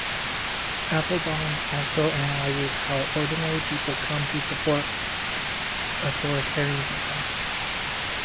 Applebaum also analyzes how ordinary people come to support authoritarianism.